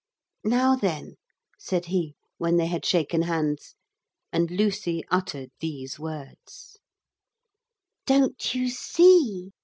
'Now then,' said he when they had shaken hands, and Lucy uttered these words: 'Don't you see?